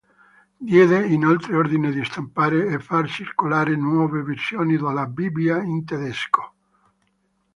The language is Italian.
Diede inoltre ordine di stampare e far circolare nuove versioni della Bibbia in tedesco.